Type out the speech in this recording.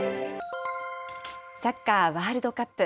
サッカーワールドカップ。